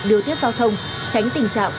lưu tiết giao thông tránh tình trạng